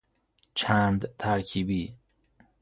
چند ترکیبی